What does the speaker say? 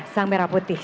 sang merah putih